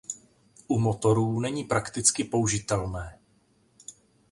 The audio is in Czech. U motorů není prakticky použitelné.